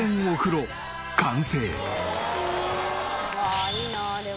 うわいいなあでも。